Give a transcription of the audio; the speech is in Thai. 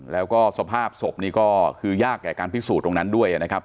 แล้วก็สภาพศพนี่ก็คือยากแก่การพิสูจน์ตรงนั้นด้วยนะครับ